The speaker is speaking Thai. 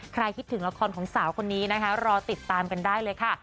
คิดถึงละครของสาวคนนี้นะคะรอติดตามกันได้เลยค่ะ